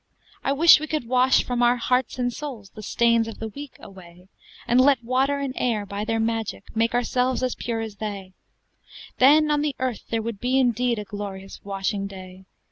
I wish we could wash from our hearts and souls The stains of the week away, And let water and air by their magic make Ourselves as pure as they; Then on the earth there would be indeed A glorious washing day!